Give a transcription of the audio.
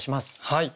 はい。